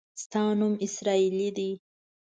ستا نوم اسراییلي دی.